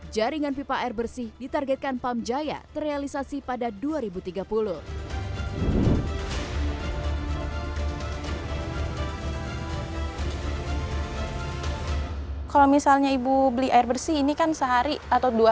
jaringan pipa air bersih ditargetkan pamjaya terrealisasi pada dua ribu tiga puluh